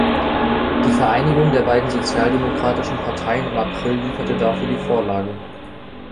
Die Vereinigung der beiden sozialdemokratischen Parteien im April lieferte dafür die Vorlage.